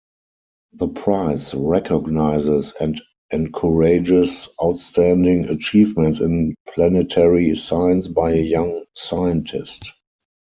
The prize recognizes and encourages outstanding achievements in planetary science by a young scientist.